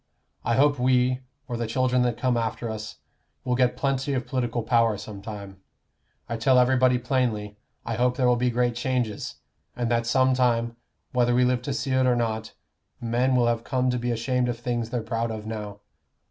I hope we, or the children that come after us, will get plenty of political power some time. I tell everybody plainly, I hope there will be great changes, and that some time, whether we live to see it or not, men will have come to be ashamed of things they're proud of now.